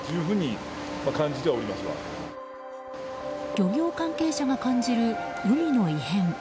漁業関係者が感じる海の異変。